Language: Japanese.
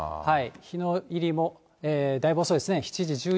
日の入りもだいぶ遅いですね。